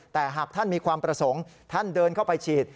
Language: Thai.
แต่หากท่านมีความประสงค์ท่านเดินเข้าไปฉีด